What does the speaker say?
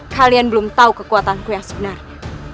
kalian belum tahu kekuatanku yang sebenarnya